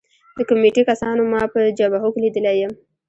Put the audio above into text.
د کمېټې کسانو ما په جبهو کې لیدلی یم